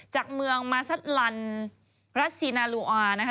จากเมืองมาซัสลันรัสซีนาลูอานะคะ